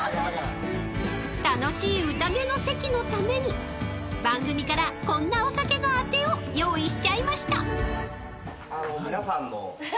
［楽しい宴の席のために番組からこんなお酒のあてを用意しちゃいました］